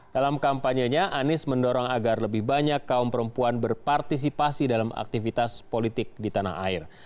dalam kampanyenya anies mendorong agar lebih banyak kaum perempuan berpartisipasi dalam aktivitas politik di tanah air